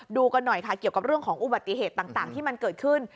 ดูกันหน่อยค่ะเกี่ยวกับเรื่องของอุบัติเหตุต่างที่มันเกิดขึ้น